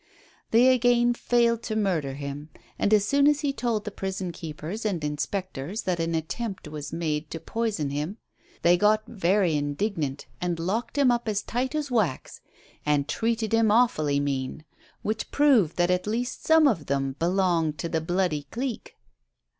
They again failed to murder him, and as soon as he told the prison keepers and inspectors that an attempt was made to poison him, they got very indignant and locked him up as tight as wax, and treated him awfiUly mean, which proved that at least some of them belonged to the bloody clique.